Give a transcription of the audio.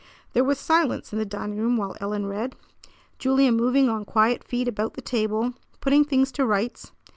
There was silence in the dining room while Ellen read, Julia moving on quiet feet about the table, putting things to rights.